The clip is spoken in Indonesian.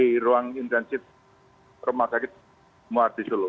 di ruang intensif rumah sakit muat di seluruh